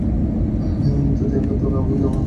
মৃত্যুর দায়ভার তো কাউকে না কাউকে নিতেই হবে।